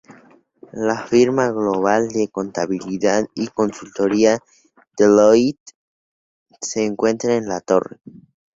La firma global de contabilidad y consultoría Deloitte se encuentra en la torre.